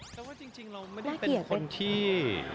แต่ว่าจริงเราไม่ได้เป็นคนที่